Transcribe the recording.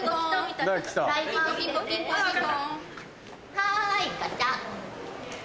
はいガチャ。